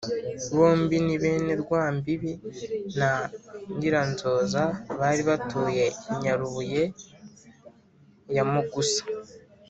bombi ni bene rwambibi na nyiranzoza bari batuye i nyarubuye ya mugusa.